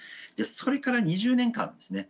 それから２０年間ですね